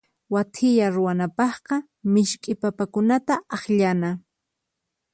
Wathiya ruwanapaqqa misk'i papakunata akllana.